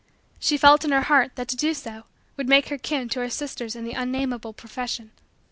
She felt in her heart that to do so would make her kin to her sisters in the unnamable profession.